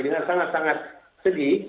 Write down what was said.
dengan sangat sangat sedih